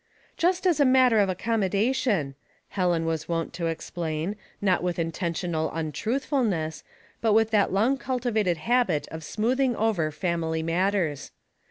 '' Just as a mat ter of accommodation," Helen was wont to ex plain, not with intentional untruthfulness, but with that long cultivated habit of smoothing over family matters.